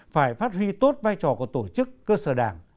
phải phát huy tốt vai trò của tổ chức cơ sở đảng